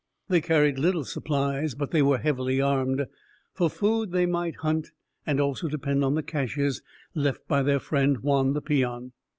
They carried little supplies, but they were heavily armed. For food, they might hunt and also depend on the caches left by their friend, Juan the peon.